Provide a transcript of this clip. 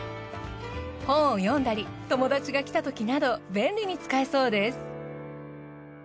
本を読んだり友達が来たときなど便利に使えそうです。